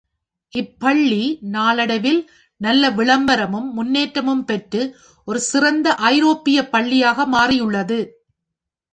இப்பள்ளி நாளடைவில் நல்ல விளம்பரமும் முன்னேற்றமும் பெற்று ஒரு சிறந்த ஐரோப்பியப் பள்ளியாக மாறியுள்ளது.